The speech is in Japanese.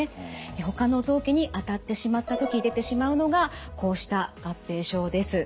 ほかの臓器に当たってしまった時出てしまうのがこうした合併症です。